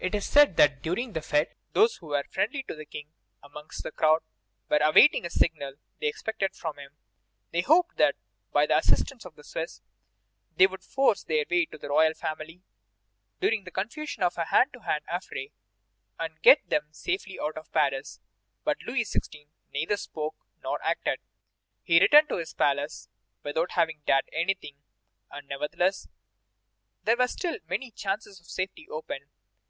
It is said that during the fête those who were friendly to the King, amongst the crowd, were awaiting a signal they expected from him. They hoped that, by the assistance of the Swiss, they could force their way to the royal family during the confusion of a hand to hand affray, and get them safely out of Paris. But Louis XVI. neither spoke nor acted. He returned to his palace without having dared anything. And, nevertheless, there were still many chances of safety open.